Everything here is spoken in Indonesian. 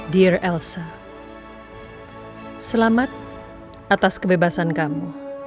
dear elsa selamat atas kebebasan kamu